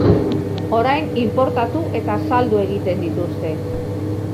Orain inportatu eta saldu egiten dituzte.